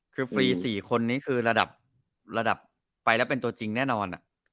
คือฟรี๔คนนี้คือระดับระดับไปแล้วเป็นตัวจริงแน่นอน